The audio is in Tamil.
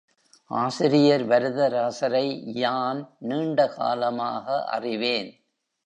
ஆசிரியர் வரதராசரை யான் நீண்ட காலமாக அறிவேன்.